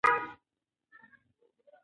تعليم شوې نجونې د ګډو موخو ساتنه کوي.